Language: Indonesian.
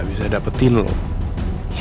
pernah atau belum ngerti